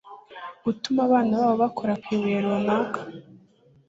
Gutuma abana babo bakora ku ibuye runaka;